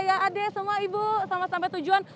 ya ade semua ibu selamat sampai tujuan